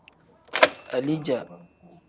Alija.